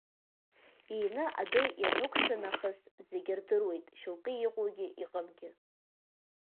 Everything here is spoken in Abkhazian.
Иины адәы ианықәшәа нахыс зегьы рдыруеит шьоукы иҟоугьы иҟамгьы.